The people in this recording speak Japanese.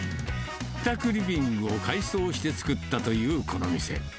自宅リビングを改装して作ったというこの店。